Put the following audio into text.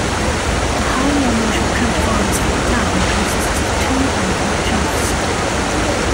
The highly unusual coat of arms for the town consists of two rampant choughs.